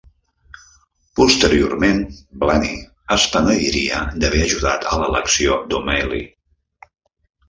Posteriorment, Blaney es penediria d'haver ajudat a l'elecció d'O'Malley